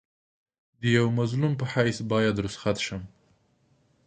د یوه مظلوم په حیث باید رخصت شم.